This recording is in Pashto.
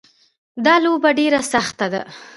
دا لوبه ډېره سخته ده